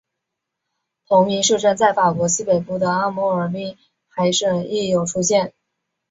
同名市镇在法国西北部的阿摩尔滨海省亦有出现。